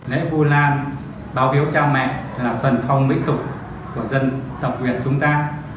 lễ phu lan báo biểu cho mẹ là phần phong mỹ tục của dân tộc việt chúng ta